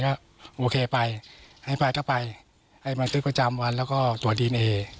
ก็โอเคไปให้ไปก็ไปให้บันทึกประจำวันแล้วก็ตรวจดีเอนเอ